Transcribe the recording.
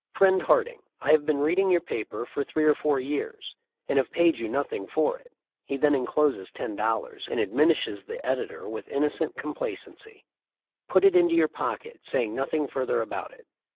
* "Friend Harding: I have been reading your paper for three or four years and have paid you nothing for it." He then encloses ten dollars and adminishes the editor with innocent complacency : "Put it into your pocket, saying nothing further about it."